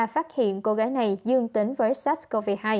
phát hiện cô gái này dương tính với sars cov hai